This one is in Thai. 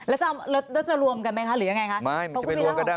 แล้วจะรวมกันไหมค่ะหรืออะไร